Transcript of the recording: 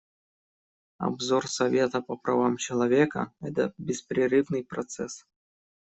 Обзор Совета по правам человека — это беспрерывный процесс.